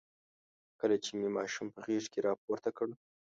کله چې مې ماشوم په غېږ کې راپورته کړ.